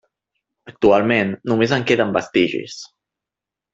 Actualment només en queden vestigis.